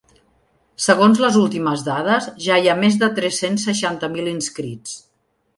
Segons les últimes dades, ja hi ha més de tres-cents seixanta mil inscrits.